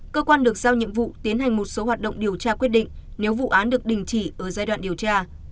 cơ quan được giao nhiệm vụ tiến hành một số hoạt động điều tra quyết định nếu vụ án được đình chỉ ở giai đoạn điều tra